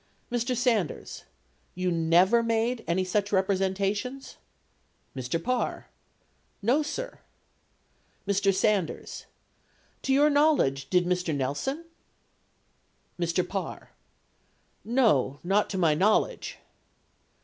Mr. Sanders. You never made any such representations? Mr. Parr. No, sir. Mr. Sanders. To your knowledge, did Mr. Nelson? Mr. Parr. No ; not to my knowledge.